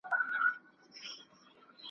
جهاني فال مي کتلی هغه ورځ به لیري نه وي !.